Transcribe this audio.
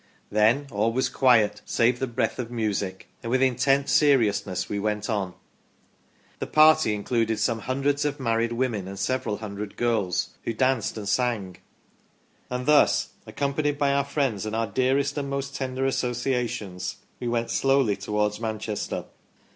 Then all was quiet save the breath of music ; and with in tent seriousness we went on ". The party included some hundreds of married women and several hundred girls, who danced and sang. " And thus, accompanied by our friends, and our dearest and most tender associations, we went slowly towards Manchester